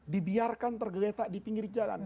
dibiarkan tergeletak di pinggir jalan